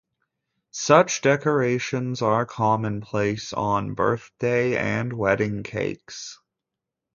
Such decorations are commonplace on birthday and wedding cakes.